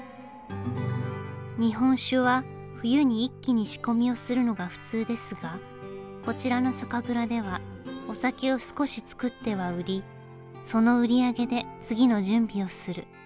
日本酒は冬に一気に仕込みをするのが普通ですがこちらの酒蔵ではお酒を少し造っては売りその売り上げで次の準備をする。